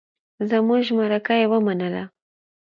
زمونږ مرکه يې ومنله.